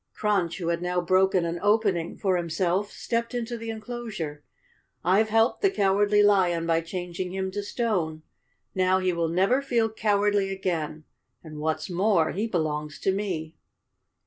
Crunch, who had now broken an opening for himself, stepped into the enclosure. " I've helped the Cowardly Lion by changing him to stone. Now he will never feel cowardly again, and what's more, he belongs to me!"